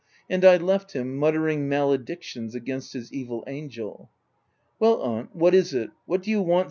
And I left him, muttering maledictions against his evil angel. "■Well aunt, what is it? What do you want